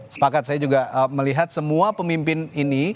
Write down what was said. sepakat saya juga melihat semua pemimpin ini